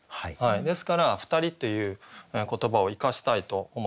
ですから「ふたり」っていう言葉を生かしたいと思います。